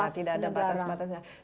tidak ada batas negara